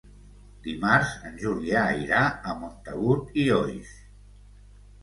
Dimarts en Julià irà a Montagut i Oix.